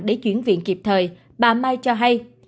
để chuyển viện kịp thời bà mai cho hay